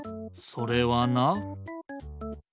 それはな。